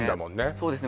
そうですね